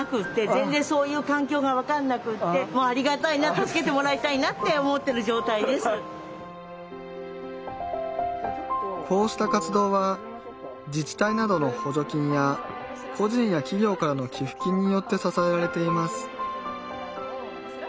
全然そういう環境が分かんなくってもうこうした活動は自治体などの補助金や個人や企業からの寄付金によって支えられています